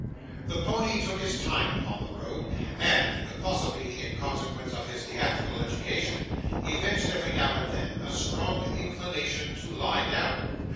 The pony took his time upon the road, and possibly in consequence of his theatrical education evinced, every now and then, a strong inclination to lie down.